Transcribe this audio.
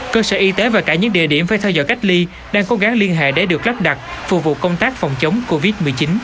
cơ sở y tế và cả những địa điểm phải theo dõi cách ly đang cố gắng liên hệ để được lắp đặt phục vụ công tác phòng chống covid một mươi chín